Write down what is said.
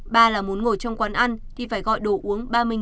ba là muốn ngồi trong quán ăn thì phải gọi đồ uống ba mươi đồng một cốc